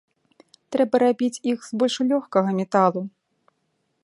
Трэба рабіць іх з больш лёгкага металу.